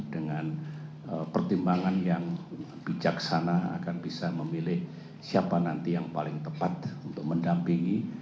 dengan pertimbangan yang bijaksana akan bisa memilih siapa nanti yang paling tepat untuk mendampingi